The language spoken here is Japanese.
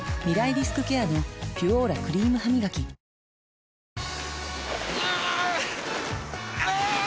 リスクケアの「ピュオーラ」クリームハミガキあ゛ーーー！